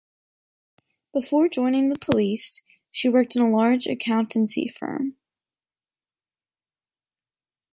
Before joining the police, she worked in a large accountancy firm.